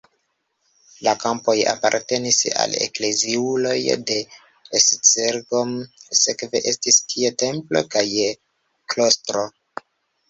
La kampoj apartenis al ekleziuloj de Esztergom, sekve estis tie templo kaj klostro.